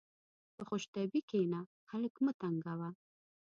په خوشطبعي کښېنه، خلق مه تنګوه.